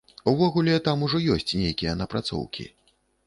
Увогуле, там ужо ёсць нейкія напрацоўкі.